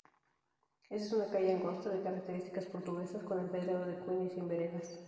Es una calle angosta de características portuguesas, con empedrado de cuña y sin veredas.